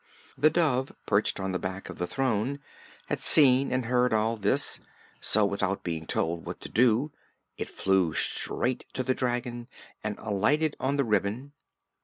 The dove, perched on the back of the throne, had seen and heard all this, so without being told what to do it flew straight to the dragon and alighted on the ribbon.